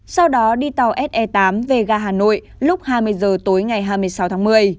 sau đó đi tàu se tám về ga hà nội lúc hai mươi h tối ngày hai mươi sáu th